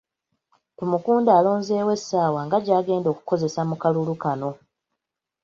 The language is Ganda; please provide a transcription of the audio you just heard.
Tumukunde alonzeewo essaawa nga gy'agenda okukozesa mu kalulu kano.